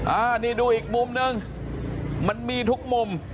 อันนี้ดูอีกมุมนึงมันมีทุกมุม